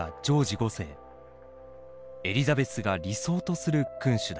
エリザベスが理想とする君主だ。